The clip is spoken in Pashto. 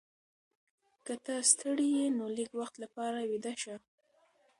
که ته ستړې یې نو لږ وخت لپاره ویده شه.